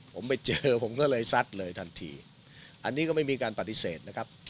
ผมไปเจอผมก็เลยซัดเลยทันทีอันนี้ก็ไม่มีการปฏิเสธนะครับ